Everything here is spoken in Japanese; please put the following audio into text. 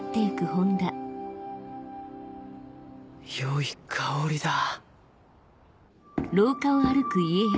よい香りだ。